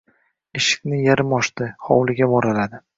Eshikni yarim ochdi. Hovliga mo‘raladi.